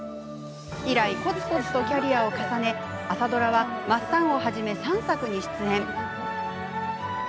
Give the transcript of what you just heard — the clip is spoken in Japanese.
以来、こつこつとキャリアを重ね朝ドラは「マッサン」をはじめ３作に出演。